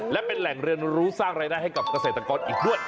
และเป็นแหล่งเรียนรู้สร้างรายได้ให้กับเกษตรกรอีกด้วย